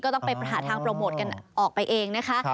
ต้องไปหาทางโปรโมทกันออกไปเองนะคะ